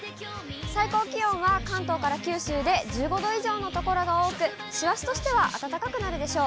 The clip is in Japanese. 最高気温は関東から九州で１５度以上の所が多く、師走としては暖かくなるでしょう。